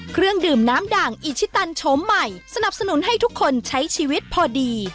เครื่องดื่มน้ำด่างอิชิตันโฉมใหม่สนับสนุนให้ทุกคนใช้ชีวิตพอดี